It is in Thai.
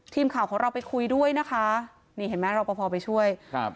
ทีมข่าวของเราไปคุยด้วยนะคะนี่เห็นไหมรอปภไปช่วยครับ